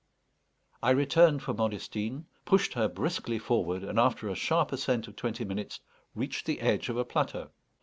I returned for Modestine, pushed her briskly forward, and, after a sharp ascent of twenty minutes, reached the edge of a plateau.